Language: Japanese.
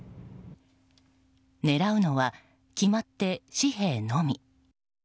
狙うのは決まって紙幣のみ。